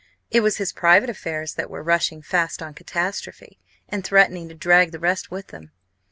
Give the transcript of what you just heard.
It was his private affairs that were rushing fast on catastrophe, and threatening to drag the rest with them.